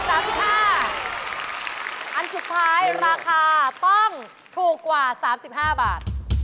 อันสุดท้ายราคาต้องถูกกว่า๓๕บาท